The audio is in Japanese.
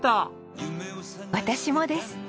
私もです。